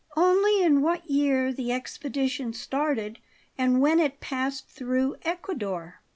"Only in what year the expedition started and when it passed through Ecuador."